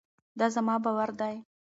دا زما باور دی.